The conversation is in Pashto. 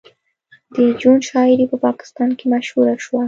د جون شاعري په پاکستان کې مشهوره شوه